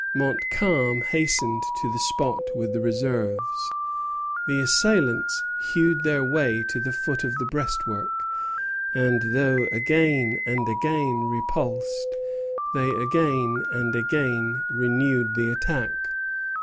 Montcalm hastened to the spot with the reserves. The assailants hewed their way to the foot of the breastwork; and though again and again repulsed, they again and again renewed the attack.